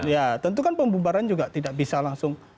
ya tentu kan pembubaran juga tidak bisa langsung